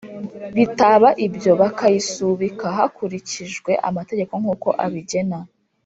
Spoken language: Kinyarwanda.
Bitaba ibyo bakayisubika hakurikijwe amategeko nkuko abigena